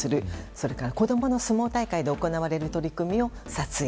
それから子供の相撲大会で行われる取組を撮影。